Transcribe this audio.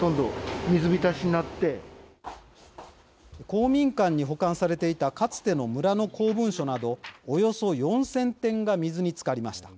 公民館に保管されていたかつての村の公文書などおよそ４０００点が水に浸かりました。